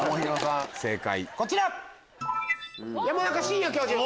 正解こちら！